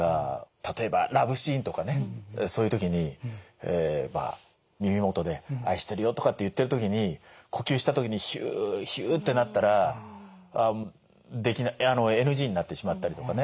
例えばラブシーンとかねそういう時にまあ耳元で「愛してるよ」とかって言ってる時に呼吸した時に「ヒューヒュー」ってなったらＮＧになってしまったりとかね。